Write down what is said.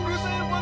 dua seharian bang